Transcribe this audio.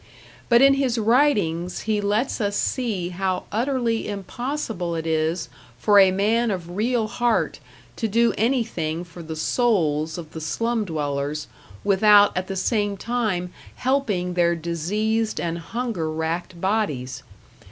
But in his writings he lets us see how utterly impossible it is for a man of real heart to do anything for the souls of the slum dwellers without at the same time helping their diseased and hunger racked bodies.